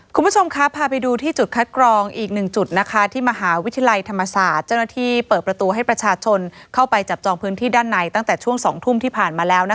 คุณผู้ชมครับพาไปดูที่จุดคัดกรองอีกหนึ่งจุดที่มหาวิทยาลัยธรรมศาสตร์เจ้าหน้าที่เปิดประตูให้ประชาชนเข้าไปจับจองพื้นที่ด้านในตั้งแต่ช่วง๒ทุ่มที่ผ่านมาแล้ว